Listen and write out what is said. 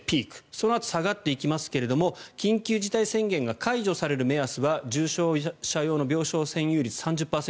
そのあと下がっていきますが緊急事態宣言が解除される目安は重症者用の病床専用率が３０％。